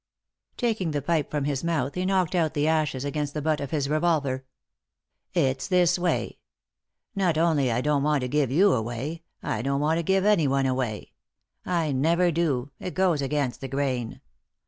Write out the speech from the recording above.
laking the pipe from his mouth he knocked out the ashes against the butt of his revolver. "It's this way. Not only I don't want to give you away, I don't want to give anyone away ; I never do, it goes against the grain.